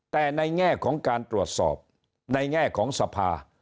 แต่ในแง่ของการตรวจสอบในแง่ของสภา